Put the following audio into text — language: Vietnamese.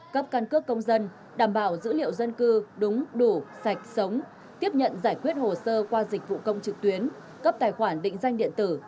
cấp căn cước công dân đảm bảo dữ liệu dân cư đúng đủ sạch sống tiếp nhận giải quyết hồ sơ qua dịch vụ công trực tuyến cấp tài khoản định danh điện tử